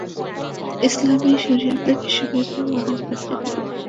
ইসলামি শরিয়াহ বিশ্বব্যাপী মানবভ্রাতৃত্ব প্রতিষ্ঠা করে যুদ্ধ সংঘটনের কারণ দূর করতে চায়।